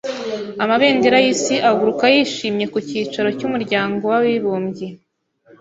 Amabendera yisi aguruka yishimye ku cyicaro cy’umuryango w’abibumbye